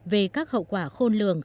về các hậu quả khôn lường